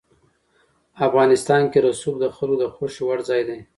افغانستان کې رسوب د خلکو د خوښې وړ ځای دی.